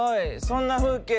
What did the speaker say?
そんな風景